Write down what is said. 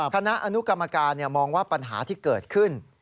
คณะอนุกรรมการมองว่าปัญหาที่เกิดขึ้น